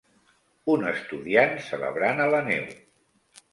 Un estudiant celebrant a la neu.